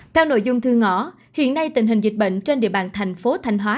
theo nội dung thương ngọ hiện nay tình hình dịch bệnh trên địa bàn thành phố thanh hóa